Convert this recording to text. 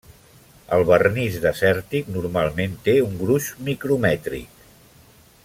El vernís desèrtic normalment té un gruix micromètric.